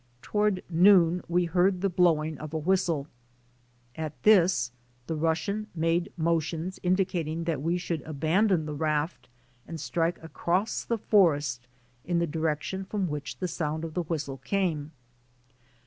Toward noon we heard the blowing of a whistle. At this, the Russian made motions indi cating that we should abandon the raft and strike across the forest in the direction from which the sound of the whistle came.